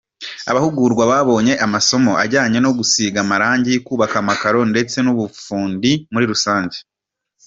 Abahugurwa babonye amasomo ajyanye no gusiga amarangi, kubaka amakaro ndetse n’ubufundi muri rusange.